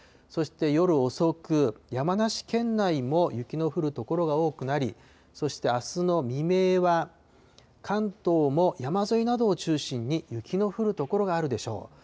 そして夜遅く、山梨県内も雪の降る所が多くなり、そしてあすの未明は関東も山沿いなどを中心に雪の降る所があるでしょう。